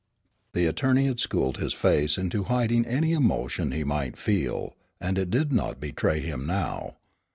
The attorney had schooled his face into hiding any emotion he might feel, and it did not betray him now.